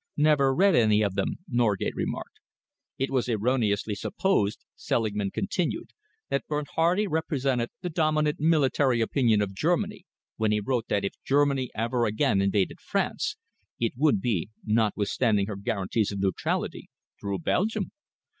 "Never read any of them," Norgate remarked. "It was erroneously supposed," Selingman continued, "that Bernhardi represented the dominant military opinion of Germany when he wrote that if Germany ever again invaded France, it would be, notwithstanding her guarantees of neutrality, through Belgium.